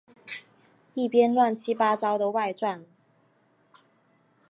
一篇乱七八糟的外传